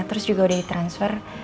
terus juga udah di transfer